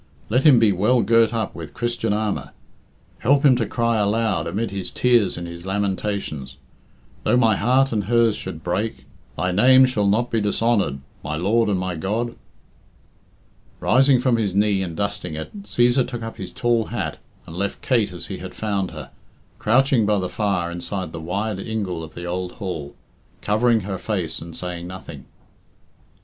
Let him be well girt up with Christian armour. Help him to cry aloud, amid his tears and his lamentations, 'Though my heart and hers should break, Thy name shall not be dishonoured, my Lord and my God!'" Rising from his knee and dusting it, Cæsar took up his tall hat, and left Kate as he had found her, crouching by the fire inside the wide ingle of the old hall, covering her face and saying nothing.